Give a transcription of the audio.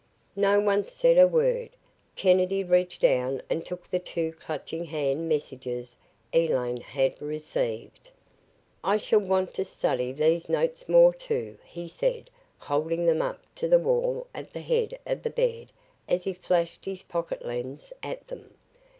No one said a word. Kennedy reached down and took the two Clutching Hand messages Elaine had received. "I shall want to study these notes, more, too," he said, holding them up to the wall at the head of the bed as he flashed his pocket lens at them.